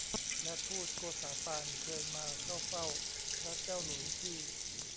และฑูตโกษาปานเคยมาเข้าเฝ้าพระเจ้าหลุยส์ที่